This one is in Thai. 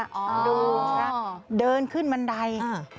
อ๋อดูครับเดินขึ้นมันได